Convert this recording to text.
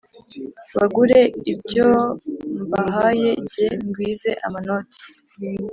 Bagure ibyo mbahayeJye ngwize amanoti